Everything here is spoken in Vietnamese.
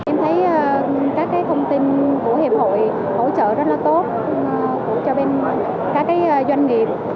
em thấy các thông tin của hiệp hội hỗ trợ rất là tốt cho bên các doanh nghiệp